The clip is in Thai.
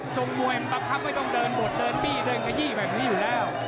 ตรงมวยภาครับไม่ต้องเดินบดเดินปี้เดินกะยี่ไปอยู่แล้ว